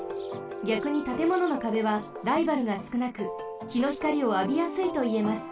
ぎゃくにたてもののかべはライバルがすくなくひのひかりをあびやすいといえます。